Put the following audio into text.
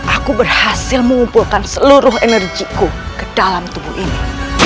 aku berhasil mengumpulkan seluruh energiku ke dalam tubuh ini